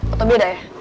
atau beda ya